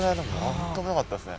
本当怖かったですね。